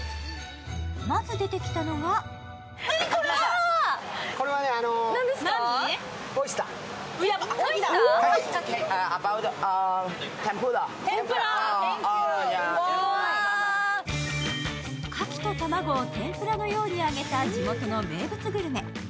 まず出てきたのがかきと卵を天ぷらのように揚げた地元の名物グルメ。